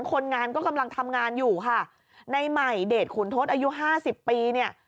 คนงานก็กำลังทำงานอยู่ค่ะในใหม่เดชขุนทศอายุห้าสิบปีเนี่ย